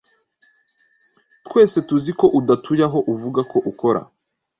Twese tuzi ko udatuye aho uvuga ko ukora.